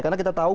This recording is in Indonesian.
karena kita tahu